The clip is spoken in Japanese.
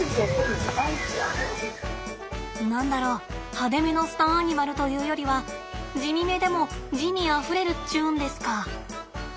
何だろう派手めのスターアニマルというよりは地味めでも滋味あふれるっちゅうんですか。